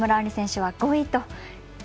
り選手は５位と。